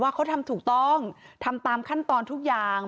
และมีการเก็บเงินรายเดือนจริง